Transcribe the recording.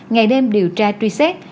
ngày đêm điều tra truy xét